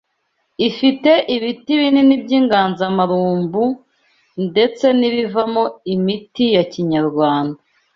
Ifite ibiti binini by’inganzamarumbu ndetse n’ibivamo imiti ya Kinyarwanda